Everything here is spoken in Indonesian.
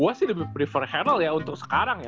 gua sih lebih prefer harrell ya untuk sekarang ya